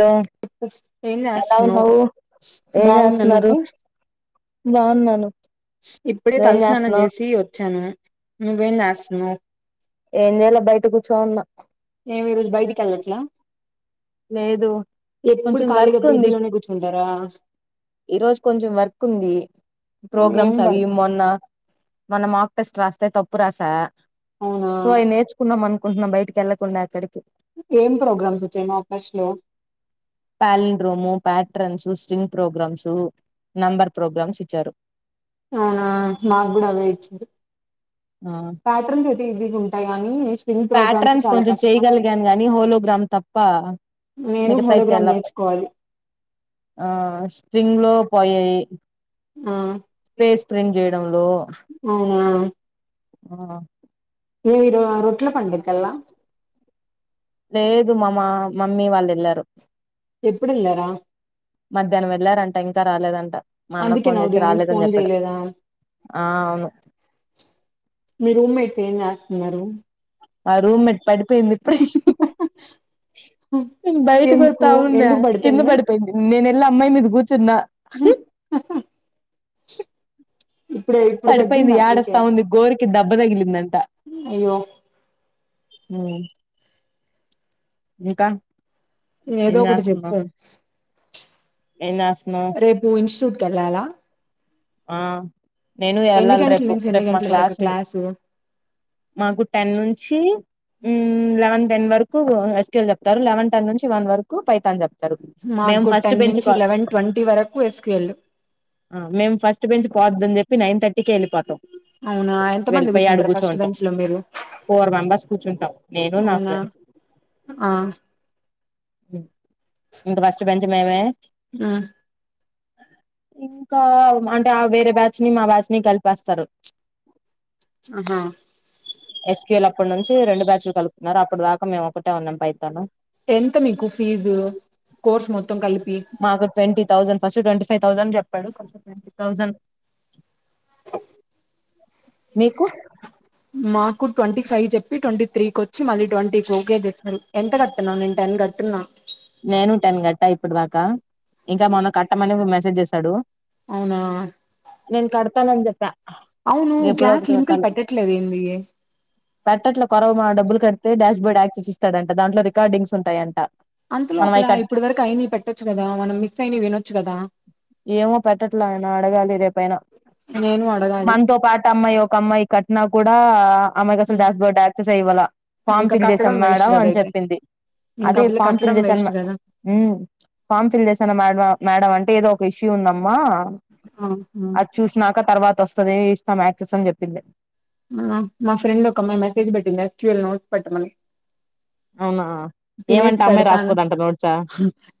Hello ఏం ఎలా చేస్తున్నావ్ ఉన్నావు ఏం బాగున్నా చేస్తున్నారు నువ్వు బాగున్నాను ఇప్పుడే నువ్వేం తలస్నానం చేస్తున్నావు చేసి వచ్చాను నువ్వేం చేస్తునవు ఏం చేేలా బయట కూర్చోన్న మేము ఈ రోజు బయటికి వెళ్లట్లా లేదు ఎప్పుడు కొంచెం ఖాళీగా వర్క్ ఉంది పిజీలోనే కూర్చ ఉంటార ఈ రోజు కొంచెం వర్క్ ఉంది ఏం ప్రోగ్రామ్స్ అవి వర్క్ మొన్న మొన్న మాక్టెస్ట్ రాస్తే తప్పు రాసా అవునా సో అవి నేర్చుకున్నాం అనుకుంటున్నాం బయటకి వెళ్లకుండా ఎక్కడికి ఏం ప్రోగ్రామ్స్ వచ్చాయి మా ఫెస్ట్ లో ప్యాండ్రోమ్ ము, patterns string programs, number programs ఇచ్చారు. ఆవున నాకు కూడా అవె ఇచ్చరు ఆ ప్యాటర్న్స్ అయితే ఇది ఉంటాయి కానీ స్వింగ్ ప్రోగ్రామ్స్ చాలా కష్టం న్ గాని హోలో గ్రామ్ తప్ప నేను మిగతాయి హోలోగ్రామ్ చాలా కష్టం నేర్చుకోవాలి ఆ స్ట్రింగ్ లో పోయాయి ఆ పేస్ స్క్రిమ్ చేయడంలో అవునా ఆ ఏం ఈ రో రొట్ల పండుకలా లేదు మా మ మమ్మీ వాళ్ళు ఎళ్ళరు ఎప్పుడలరా మధ్యాహ్నం వెళ్లారంట ఇంకా రాలేదంట మ ఆన్న అందుకే ఫోన్ నా చేస్తె ఉదయం నుంచి రాలేదని ఫోన్ చెప్పాడు చేయలేదా ఆ అవును మీ రూమ్ మేట్స్ ఏం చేస్తున్నారు ఆ రూమ్ మెట్ పడిపోయింది ఇప్పుడే బయటకి ఎందుకు వస్తా వున్నా ఎందుకు కింద పడిపోయింది నేన వెళ్ళ ఆ అమ్మాయి మీద కూర్చున్నా ఊ పడిపోయింది యాడ సౌండ్ కి ఉంది గోరికి దబ్బ దగిలిందంట అయ్యో ఊ ఇంక ఏదో ఒకటి చెప్పు ఏం చేస్తున్నావ్ రేపు ఇన్స్టిట్యూట్ కెల్లాల ఆ నేను ఎన్ని వెళ్ళాలి గంటల రేపు నుంచి ఎన్ని రేపు మాకి గంటల వరకు క్లాస్ ఉంది క్లాసు మాకు టెన్ నుంచి ఉమ్ లెవెన్ టెన్ వరకు ఎస్క్యూయల్ చెప్తారు లెవెన్ టెన్ నుంచి వన్ వరకు పైథాన్ చెప్తారు మేము మాకు ఫస్ట్ టెన్ బెంచ్ నుంచి కా లెవెన్ ట్వంటీ వరకు ఎస్క్యూయల్ మేము ఫస్ట్ బెంచ్ పోద్దని చెప్పి నైన్ థర్టీకే వెళ్ళిపోతాం అవునా ఎంత మంది వెళ్ళిపోయి ఆడ కుసుంటారు ఫస్ట్ కూర్చుంటాం బెంచ్ లో మీరు ఫోర్ మెంబర్స్ కూర్చుంటాం నేను నా అవునా ఫ్రెండ్ ఆ ఇంక ఫస్ట్ బెంచ్ మేమే ఉమ్ ఇంకా అంటే వేరే బ్యాచ్ ని మా బ్యాచ్ ని కలిపేస్తారు ఆహా ఎస్క్యూలు అప్పటి నుంచి రెండు బ్యాచ్లు కలుపుతున్నారు అప్పుడు దాకా మేము ఒకటే ఉన్నాం పైతను ఎంత మీకు ఫీజు కోర్స్ మొత్తం కలిపి మాకు twenty thousand first twenty five thousand చెప్పాడు ట్వంటీ థౌసండ్ మీకు మాకు ట్వంటీ ఫైవ్ చెప్పి ట్వంటీ త్రీకి వచ్చి మళ్ళీ ట్వంటీ ఓకే చేశారు ఎంత కడుతున్నావ్ మే టెన్ కట్టున్న నేను టెన్ గట్టా ఇప్పుడు దాకా ఇంకా మొన్న కట్టమని మెసేజ్ చేసాడు అవునా నేను కడతానని చెప్పా అవును ఎప్పుడో గ్యాస్ ఒకటి లింకులు కట్టాలి పెట్టట్లేదు ఏంది పెట్టట్ల కొరవ డబ్బులు కడితే డాష్ బోర్డ్ యాక్సిస్ ఇస్తాడంట దాంట్లో రికార్డింగ్స్ ఉంటాయంట అంత మనం లోపల అవి కట్ ఇప్పడు వరకు అయినా పెట్టొచ్చు కదా మనం మిస్ అయినా వినొచ్చు కదా ఏమో పెట్టట్లే ఆయన అడగాలి రేపైనా నేను అడగాలి మనతో పాటు అమ్మాయి ఒక అమ్మాయి కట్నా కూడా ఆమెకి అసలు హ్మ్. డాష్బోర్డ్ యాక్సెస్ ఇవ్వలే ఫామ్ ఇంకా ఫిల్ కట్టడం చేసాం వేస్ట్ మేడం కదా అని అయితే చెప్పింది ఇంకా అదే ఆ పిల్ల ఫాం ఫిల్ కట్టడం చేశాను వేస్ట్ మ కదా ఉ ఫామ్ ఫిల్ చేసాను మేడం మేడం అంటే ఏదో ఒక ఇష్యూ ఉందమ్మా ఆ! హ్మ్. అది చూసినాక తర్వాత వస్తాది ఇస్తాం యాక్సెస్ అని చెప్పింది ఆ మా ఫ్రెండ్ ఒక అమ్మాయి మెసేజ్ పెట్టింది ఎస్క్యూఎల్ నోట్స్ పెట్టమని అవునా ఏమంటే అమ్మాయి రాసుకోదంట నోట్స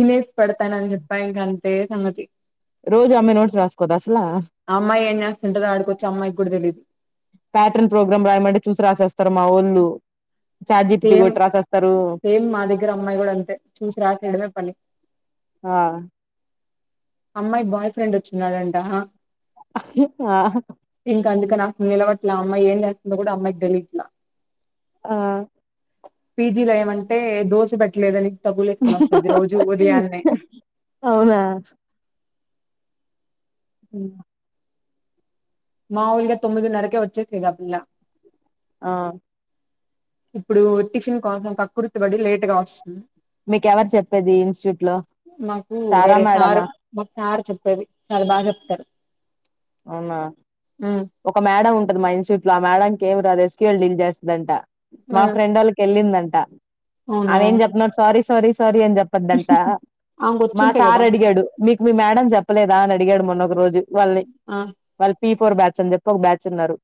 ఉ పెడతానని చెప్పా ఇంకా అంతే సంగతి రోజు అమ్మాయి నోట్స్ రాసుకోదా అసలా అమ్మాయి ఏం చేస్తుంటాదో ఆడికొచ్చి అమ్మాయికి కూడా తెలీదు ప్యాటర్న్ ప్రోగ్రామ్ రాయమంటే చూసి రాసేస్తారు మా ఒళ్ళు సేమ్ సేమ్ మా దగ్గర అమ్మాయి కూడా అంతే చూసి రాసేయడమే పని ఆ అమ్మాయి బాయ్ ఫ్రెండ్ వచ్చిన్నాడంట ఆహా ఇంకా అందుకని అసలు నిలవట్లే అమ్మాయి ఏం చేస్తుందో కూడా అమ్మాయికి తెలియట్లా ఆ పీజీలో ఏమంటే దోశ పెట్టలేదని తగులు వేసుకుని వస్తది రోజు ఉదయాన్నే అవునా ఉ మామూలుగా తొమ్మిది నరకే వచ్చే ఇగ ఆ పిల్లా ఆ ఇప్పుడు టిఫిన్ కోసం కక్కుర్తి బడి లేట్ గా వస్తుంది మీకెవరు చెప్పేది ఇన్స్టిట్యూట్ లో మాకు సారా వేరే సారు మేడమా మాకు సార్ చెప్పేది చాలా బాగా చెప్తారు అవునా ఉమ్ ఒక మేడం ఉంటంది మా ఇన్స్టిట్యూట్ లో ఆ మేడం ఏం రాదు ఎస్క్యూల్ డీల్ చేస్తుందంట ఆ మా ఫ్రెండ్ వాళ్ళ వెళ్ళిందంట అవునా ఆమె ఏమి చెప్న్నాడు సారీ సారీ సారీ అని చెప్ పద్దంతా ఆమెకు మా వచ్చుంటే సార్ కదా అడిగాడు మీకు మీ మేడం చెప్పలేదా అని అడిగాడు మొన్న ఒక రోజు వాళ్ళ ఆ వాళ్ళు పి ఫోర్ బ్యాచ్ అని చెప్పి ఒక బ్యాచ్ ఉన్నారు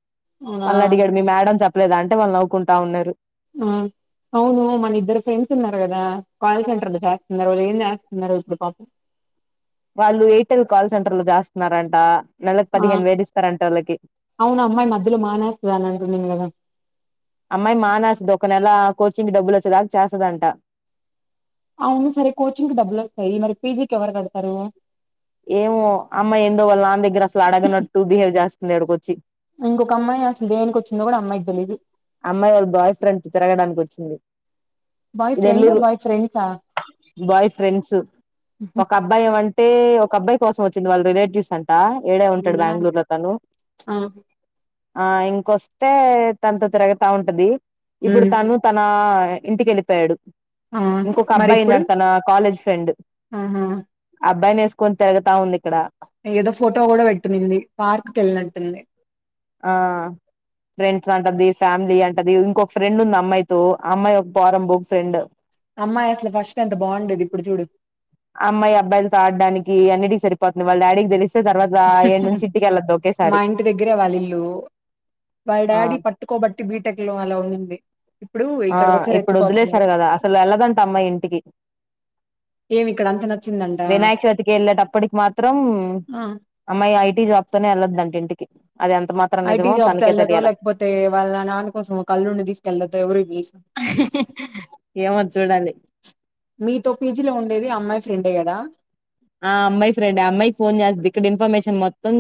అవునా మళ్ళీ అడిగాడు మీ మేడం చెప్ప లేదంటే వాళ్ళు నవ్వుకుంటా ఉన్నారు ఆ అవును మన ఇద్దరు ఫ్రెండ్స్ ఉన్నారు కదా కాల్ సెంటర్ లో చేస్తున్నారు వాళ్ళు ఏం చేస్తున్నారు ఇప్పుడు పాపం వాళ్ళు ఎయిర్టెల్ కాల్ సెంటర్ లో చేస్తున్నారంట నీలకి ఆ పదిహేను వేళ్లు ఇస్తారంట వాళకి అవును అమ్మాయి మధ్యలో మానేస్తది అని అంటున్నాను కదా అమ్మాయి మానేస్తుంది ఒక నెల కోచింగ్ డబ్బులు వచ్చే దాకా చేస్తుదంట అవును సరే కోచింగ్కి డబ్బులు వస్తాయి మరి పీజీకి ఎవరు కడతారు ఏమో అమ్మాయి ఏందో వాళ్ళు నాన్న దగ్గర అసలు అడగనట్టు బిహేవ్ చేస్తుంది ఎడికొచ్చి ఇంకొక అమ్మాయి వస్తుంది దేనికి వచ్చిందో కూడా అమ్మాయికి తెలీయదు అమ్మాయి వాళ్ళ బాయ్ ఫ్రెండ్ తో తిరగడానికి వచ్చింది బాయ్ ఫ్రెండ్ నెల్లూరు బాయ్ ఫ్రెండ్సా బాయ్ ఫ్రెండ్స్ ఒక అబ్బాయం అంటే ఒక అబ్బాయి కోసం వచ్చింది వాళ్ళ రిలేటివ్స్ అంట ఈడే ఉంటాడు అవునా బెంగళూరు లో తను ఆ ఆ ఇంకొస్తే తనతో తిరగతా ఉంటది ఇప్పుడు ఉమ్ తను తన ఇంటికి వెళ్ళిపోయాడు ఆ ఇంకొక మరి అబ్బాయి ఇప్పుడు ఉన్నాడు తన కాలేజ్ ఫ్రెండ్ ఆహా అబ్బాయిని వేసుకొని తిరుగుతా ఉంది ఇక్కడ ఏదో ఫోటో కూడా పెట్టునింది పార్క్ కి వెళ్ళినట్టుంది ఆ ఫ్రెండ్స్ అంట థీ ఫ్యామిలీ అంటది ఇంకొక ఫ్రెండ్ ఉంది అమ్మాయితో అమ్మాయి ఒక పోరంబోకు ఒక ఫ్రెండ్ అమ్మాయి అసలు ఫస్ట్ ఎంత బాగుండేది ఇప్పుడు చూడు అమ్మాయి అబ్బాయిలు తో ఆటడానికి అన్నిటి సరిపోతుంది వాళ్ళ డాడీకి తెలిస్ మా ఇంటి దగ్గరే వాళ్ళ ఇల్లు వాళ్ళ ఆ డాడీ పట్ట ట్కోబట్టి బీటెక్ లో అలా ఉన్నింది ఆ ఇప్పుడు వదిలేసారు కదా అసలు వెళ్లదంట అమ్మాయి ఇంటికి ఏమి ఇక్కడ అంత నచ్చిందంట వినాయక చవితికి వెళ్ళేటప్పటికి మాత్రం అమ్మాయి ఐటీ జాబ్ తోనే వెళ్లదుంటే ఇంటికి అది ఎంత మాత్రం ఐటీ నిజమో జాబ్కి తనకే వెళ్ళదు తెలియాల లేకపోతే వాళ్ళ నాన్న కోసం ఒక అల్లుడిని తీసుకెళ్ళతో ఎవరికి తెలుసు ఏమో చూడాలి మీతో పీజీలో ఉండేది ఆ అమ్మాయి ఫ్రెండే కదా ఆ అమ్మాయి ఫ్రెండ్ అమ్మాయికి ఫోన్ చేస్తది ఇక్కడ ఇన్ఫర్మేషన్ మొత్తం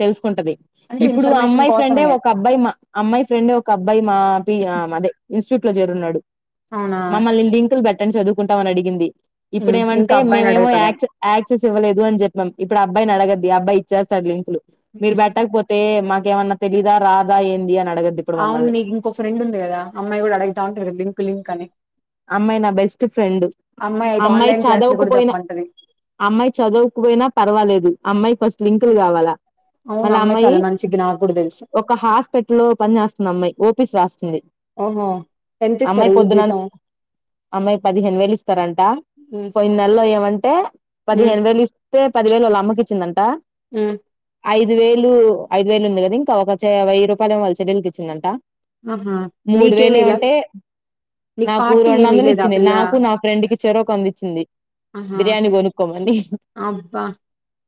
తెలుసుకుంటది అంటే ఇప్పుడు ఆ ఇన్ఫర్మేషన్ అమ్మాయి ఫ్రెండే కోసమే ఒక ఒక అబ్బాయి మా అమ్మాయి ఫ్రెండే ఒక అబ్బాయి మాపి అదే ఇన్స్టిట్యూట్ లో చేరున్నాడు అవునా మమ్మల్ని లింకులు పెట్టంని చదువుకుంటామనిడిగింది ఇప్పుడ ఉమ్ ఇంకా ఏమంటే అబ్బాయిని మేమేమో అడుగుతదేమో యాక్సి యాక్సెస్ ఇవ్వలేదు అని చెప్పాం ఇప్పుడు అబ్బాయిని అడిగింది అబ్బాయి ఇచేస్తడలింకులు మీరు బెట్టకపోతే తే మాకేమన్నా తెలీదా రాదా ఏంది అని అడగది అవును నీకు ఇంకో ఫ్రెండ్ ఉంది కదా అమ్మాయి కూడా అడుగుతా ఉంటంది క లింక్ లింక్ అని అమ్మాయి నా బెస్ట్ ఫ్రెండ్ అయితే అమ్మాయి ఆన్లైన్ క్లాసులు కూడా చదవకపోయినా చెప్పమంటది అమ్మాయి చదవకపోయినా పర్వాలేదు అమ్మాయి ఫస్ట్ లింకులు కావాలా అవును అమ్మాయి చాలా మంచిది నాకు కూడా తెలుసు ఒక హాస్పిటల్ లో పని చేస్తుంది అమ్మాయి ఓపిస్ రస్తుంది ఓహో ఎంతీస్తరు జీతం అమ్మాయి పదిహేను వేలు ఇస్తారంట ఉమ్ పోయిన నెలలో ఏమంటే ఉమ్ పదిహేను వేలుస్త అతే పదివేలు వాళ్ళ అమ్మకి ఇచ్చిందంట హ్మ ఐదు వేలు ఐదు వేలు ఉంది కదా ఇంకా ఒక వెయ్యి రూపాయలు వాళ్ల చెల్లెలికి ఇచ్చిందంటా ఆహా మూడు నీకేమి వేలు ఇలా ఉంటే నీకు ఓ పార్టీ రెండు ఏమి వందలు లేదా ఆ ఇచ్చింది పిల్ల నాకు నా ఫ్రెండ్ కి చెరోక వందించింది ఆహా బిర్యానీ కొనుక్కోమని అబ్బా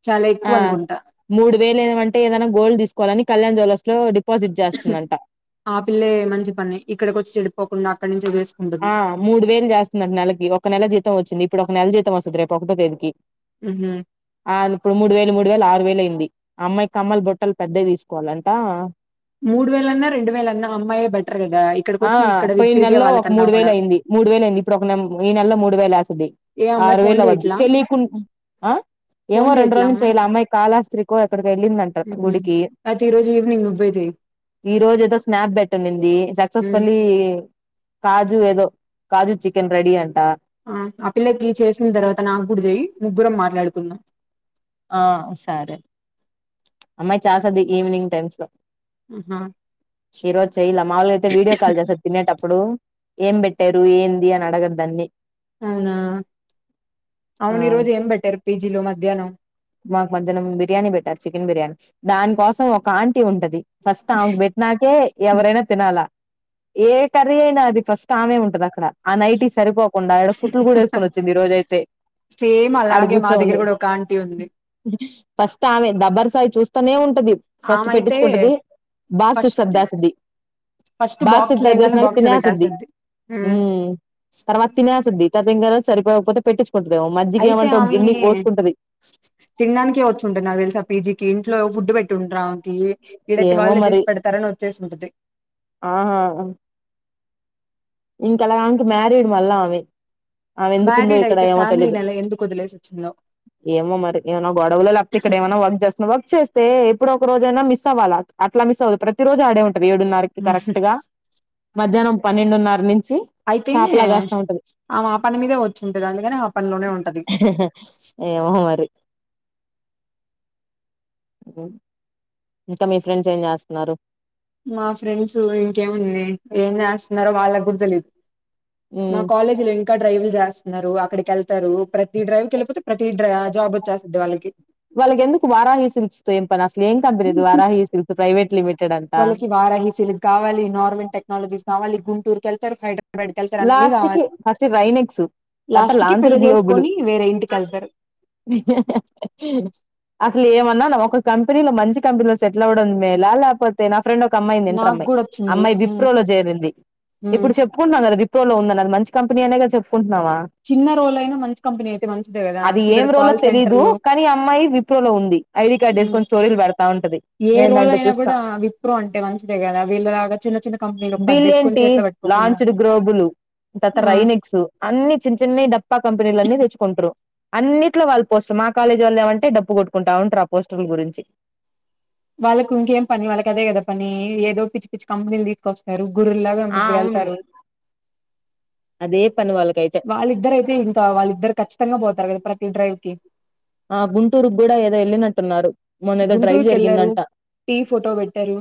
చాలా ఆ ఎక్కువ అనుకుంటా మూడు వేలు ఏమంటే ఏదైనా గోల్డ్ తీసుకోవాలని కళ్యాణ జ్వవలర్స్ లో డిపాజిట్ చేస్తుందంట ఆ పిల్లే మంచి పని ఇక్కడికి వచ్చి చెడిపోకుండా అక్కడి నుంచి వేస ఆ మూడు వేలు చేస్తున్న నెలకి ఒక నెల జీతం వచ్చింది ఇప్పుడు ఒక నెల జీతం వస్తుంది రేపు వస్తది ఒకటో తేదీకి ఉహ ఇప్పుడు మూడు వేలు మూడు వేలు ఆరు వేలు అయింది అమ్మాయి కమ్మల్ బొట్టలు పెద్దవి తీసుకోవాలంట మూడు వేలన్నా రెండు వేల అన్నా అమ్మాయి బెటర్ కదా ఇక్కడికి వచ్చ ఇక్కడ తిరిగే వాళ్ళకన్నా వేల గూడా. అయింది మూడు వేల అయింది ఇప్పుడు ఈ నెలలో మూడు వేలు వేస్తది ఏ అమ్మాయి ఆరు ఫోన్ వేలు అవద్ జేయట్లా? తెలియకుండా ఆ ఏమో ఫోన్ రెండు జేయట్లా రోజుల నుంచి చేయాల అమ్మాయి కాలాస్త్రికి ఎక్కడికో వెళ్ళిందంటడి హ అయితే ఈ రోజు ఈవనింగ్ మరి ఈ రోజ ఏదో స్నాప్ బెట్ ఉనింది హ్మ్. సక్సెస్ఫుల్లీ కాజు ఏదో కాజు చికెన్ రెడి అంటా ఆ ఆ పిల్లకి నికు చేసిన తర్వాత నాకు కుడ చెయి ముగ్గురం మాట్లాడుకుందాం ఆ సరే అమ్మాయి చ చేస్తది ఈవినింగ్ టైమ్స్ లో ఆహా! ఈరోజు అయితే చేయలే మాములుగా అయితే వీడియో కాల్ చేస్తుంది తినేటప్పుడు ఏం పెట్టారు ఏంది అని అడగ దాన్ని అవునా అవును ఆ ఈ రరోజు ఏం పేట్టారు పిజిలో మధ్యాహ్నం మాకు మధ్యాహనం బిర్యానీ పెట్టారు చికెన్ బిర్యానీ దానికోసం ఒక ఆంటీ ఉంటది ఫస్ట్ ఆమెకు పెట్ నాకే ఎవరైనా తినాలా ఏ కర్రీ అయినా అది ఫస్ట్ ఆమె ఉంటది అక్కడ ఆ నైట్ సరిపోకుండా ఆక్కడ కుట్లు కూడా వేసుకొని వచ్చింది ఈ రోజైతే సేమ్ అలాగే మా దగ్గర కూడా ఒక ఆంటీ ఉంది ఫస్ట్ ఆమె దబ్బరు సాయి చూస్తానే ఉంటది ఫస్ట్ ఆమైతే పెట్టించుకుంటది బాక్స్త్ ఫస్ట్ సర్దేస్దది ఫస్ట్ బాగ బాక్స్ సద్ద్దేస్ లేయంగానే నక బాక్స్‌లో తినేస్తుంది బెట్టేస్తది. హ్మ్. తర్వాత తినేస్తుంది తనకంద సరిపోకపోతే పెట్టిండు ఉంటుంది మజ్జగ ఏమంట ఒక గిన్నకు పొసుకోసుకుంటుది తినడానినికే విచ్చుకుంటుంది నాకు తెలుసి పీజీకి ఇంట్లో ఫుడ్ పెట పెట్టి ఉండరా ఆమెకి ఈడైతే ఏమో వాళ్ళే చేసి పెడతారని వచ్చేసింటది ఆ ఇంతలాంకి మ్యారీడ్ మళ్ళ అవి ఆమె ఎందుకుందో మ్యారీడ్ ఇక్కడ అయితే ఏమో తెలీదు ఫ్యామిలీని ఎలా ఎందుకు వదిలేసి వచ్చిందో ఏమో మరి ఏమో గొడవలో లేకపోతే ఇక్కడ ఏమన్నా వర్క్ చేస్ వర్క్ చేస్తే ఎప్పుడో ఒక రోజయినా మిస్ అవ్వాలా అట్లా మిస్ అవ్వదు ప్రతిరోజు ఆడే ఉంటుంది ఏడున్నరకి కరెక్ట్గా మధ్యానం పన్నెండున్నర నుంచి అయితే కాపలా కాస్తా ఉంటది ఆమ ఆ పని మీదే వచ్చుంటది అందుకని ఆ పనిలోనే ఉంటది ఏమో మరి ఇంగేం ఇంకా మీ ఫ్రెండ్స్ ఏం చేస్తన్నారు మా ఫ్రెండ్స్ ఇంకేముంది ఏం చేస్తున్నారో వాళ్ళ గుర్తులేదు మా ఉమ్ కాలేజ్ ఇంకా డ్రైవ్ల్ చేస్తున్నారు అక్కడికెళ్తారు ప్రతి డ్రైవ్కి వెళ్ళిపోతే ప్రతి జాబ్ వచ్చేస్తది వాళ్ళకి వాళ్ళకి ఎందుకు వారాహి సిల్క్స్ తో ఏంపని అసలు ఏం company Varahi silk private limit వాళ్ళకి వారహి సిల్క్ కావాలి నార్వెన్ టెక్నాలజీస్ కావాలి గుంటూరుకెళ్తారు హైద్రాబాద్ బడికెళ్తారు అన్ని లాస్ట్ కి కావాలి ఫస్ట్ రైనెక్స్ తర్వాత లాస్ట్ కి లాంచడ్ పెళ్లి గ్లోబుల్ చేసుకొని వేరే ఇంటికెళ్తారు అసలు ఏమన్నానా ఒక కంపెనీలో మంచి కంపెనీలో సెటిల్ అవ్వడం మేల ల్యాపోతే నా ఫ్రెండ్ ఒక అమ్మాయింది ఇంటర్ నాకు అమ్మాయి కూడా వచ్చింది అమ్మాయి ఉమ్ విప్రోలో చేరింది ఉమ్ ఇప్పుడు చెప్పుకుంటున్నా కదా విప్రో విప్రో లో ఉందన్నది మంచి కంపెనీ అనేగా చెప్పుకుంటున్నామా చిన్న రోల్ అయినా మంచి కంపెనీ అయితే మంచిదే కదా అది ఏం ఇక్కడ రోలో కాల్ తెలీదు సెంటర్లు కానీ అమ్మాయి విప్రోలో ఉంది ఐడి కార్డు ఉమ్ స్టైల్ పడతావుంటాది ఏ రోల్ అయినా కూడా విప్రో అంటే మంచిదే కదా వీళ్ళ లాగా చిన్న చిన్న కంపెనీలు పది తెచ్చుకొని చేతులో పట్టుకోకుండా. చ్చిడు గ్రోబులు తత రైనెక్స్ అన్ని చిన్న చిన్న డప్పా కంపెనీలు అన్నీ తెచ్చుకుంటరు. అన్నిట్లో వాళ్ళ పోస్టులు మా కాలేజీ వాళ్ళే అంటే డప్పు కొట్కుంటా ఉంటారు ఆ పోస్టుల గురించి వాళ్ళ ఇంకేం పని వాళ్ళకి అదే కదా పని ఏదో పిచ్చి పిచ్చి కంపెనీలు తీసు కొస్తారు గొర్రులాగా ఆ ముగ్గురు అవును వెళ్తారు. అదే పని వాళ్ళకైతే వాళ్ళిద్దయితే ఇ వాళ్ళిద్దరు కచ్చితంగా పోతారు కదా ప్రతి డ్రైవ్కి ఆ గుంటూరుకి కూడా ఏదో వెళ్ళినట్టున్నారు. మొన్న ఏదో డ్రైవ్ గుంటూరుకెళ్లారు జరిగిందంట టీ ఫోటో పెట్టారు.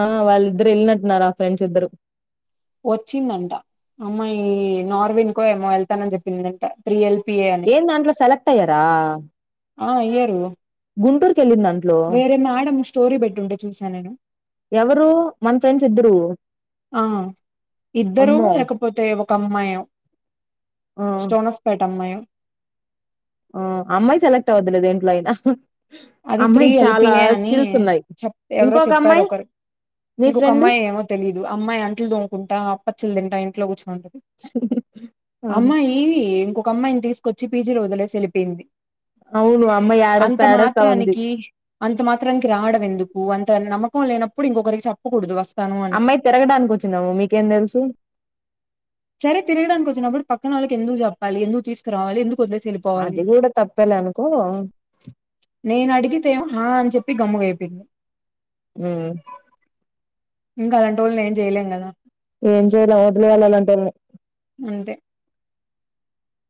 ఆ వాళ్ళిద్దరు వెళ్ళినట్టున్నారు ఆ ఫ్రెండ్స్ ఇద్దరు. వచ్చిందంట అమ్మాయి నార్వేన్కో ఏమో వెళ్తానని చెప్పిందంట. Three L. పి. ఎ అన్ ఏం దాంట్లో సెలెక్ట్ అయ్యారా ఆ ఇయ్యరు గుంటూరుకెళ్ళిందంట్లే వేరే మేడం స్టోరీ పెట్టుంటే చూసా నేను. ఎవరు మన్ ఫ్రెండ్స్ ఇద్దరు ఆ ఇద్దరు అమ్మో లేకపోతే ఒక అమ్మాయి ఏమో ఆ స్టోనస్ పేట అమ్మాయి ఆ అమ్మాయి సెలక్ట్ అవ్వద్దులే దేంట్లో అయినా ఆ అది త్రీ అమ్మాయికి ఎల్. పి. చాలా ఎ అని స్కిల్స్ ఉన్నాయి చెప్ ఎవరో ఇంకొక అమ్మాయి చెప్పారొకరు మీ ఇంకొక ఫ్రెండ్ అమ్మాయి ఏమో తెలీదు అమ్మాయి అంటలు దోముకుంటా అప్పచ్చలు తింటా ఇంట్లో కూర్చోంటది అమ్మాయి ఇంకొక అమ్మాయిని తీసుకొచ్చి పీజీలో వదిలేసి వెళ్ళిపోయింది అవును ఆ అమ్మాయి అంత ఆరేస్తా ఆరేస్తా ఉంది మాత్రానికి అంత మాత్రానికి రావడం ఎందుకు అంత నమ్మకం లేనప్పుడు ఇంకొకరికి చెప్పకూడదు వస్తాను అని అమ్మాయి తిరగడానికి వచ్చినాము మీకేం తెలుసు సరే తిరడానికి వచ్చినప్పుడు పక్కన వాళ్ళ ఎకుప్పాలి ఎందుకు తీసుకురావాలి ఎందుకు వదిలేసి వే అది కూడా తప్పాలేనుకో నేను అడిగితేమొ హ అని చెప్పి గమ్మునైపోయింది ఉ ఇంకా అలాంటోలేన్ ఏం చేయలేం కదా ఏం చేయలే వదిలియాలి అలాంటోల్ని అంతే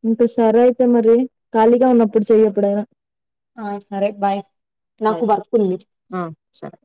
ఇంకా సరే అయితే మరి ఖాళీగా ఉన్నప్పుడు చెయ్యప్పుడైనా ఆ సరే బాయ్ నాకు వర్క్ ఉంది ఆ సరే